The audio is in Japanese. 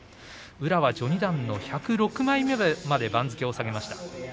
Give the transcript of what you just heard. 宇良は序二段の１０６枚目まで番付を下げました。